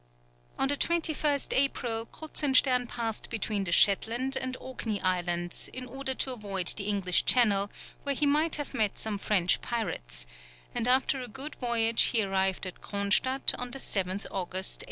On the 21st April, Kruzenstern passed between the Shetland and Orkney Islands, in order to avoid the English Channel, where he might have met some French pirates, and after a good voyage he arrived at Cronstadt on the 7th August, 1806.